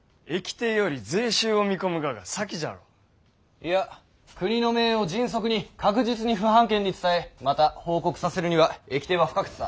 いや国の命を迅速に確実に府藩県に伝えまた報告させるには駅逓は不可欠だ。